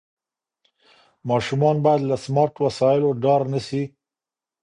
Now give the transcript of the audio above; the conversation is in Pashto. ماشومان باید له سمارټ وسایلو ډار نه سي.